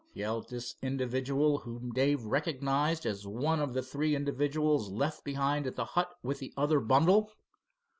yelled this individual whom Dave recognized as one of the three individuals left behind at the hut with the other bundle.